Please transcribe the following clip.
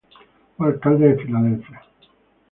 Fue alcalde de Filadelfia.